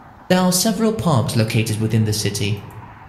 There are several parks located within the city.